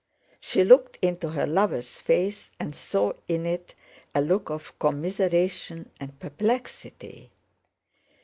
She looked into her lover's face and saw in it a look of commiseration and perplexity.